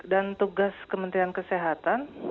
dan tugas kementerian kesehatan